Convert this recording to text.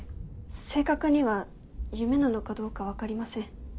正確には夢なのかどうか分かりません。